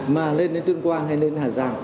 mà lên đến tuyên quang hay lên hà giang